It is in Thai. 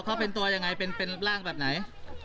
เขาเป็นตัวยังไงเป็นร่างแบบไหน